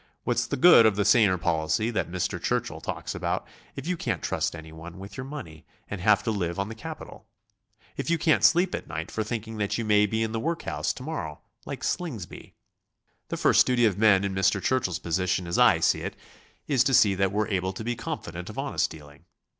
What's the good of the saner policy that Mr. Churchill talks about, if you can't trust anyone with your money, and have to live on the capital? If you can't sleep at night for thinking that you may be in the workhouse to morrow like Slingsby? The first duty of men in Mr. Churchill's position as I see it is to see that we're able to be confident of honest dealing.